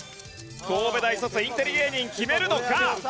神戸大卒インテリ芸人決めるのか？